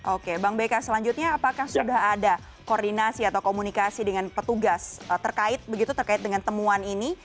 oke bang beka selanjutnya apakah sudah ada koordinasi atau komunikasi dengan petugas terkait begitu terkait dengan temuan ini